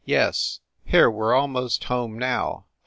"Yes. Here, we re aimost home, now.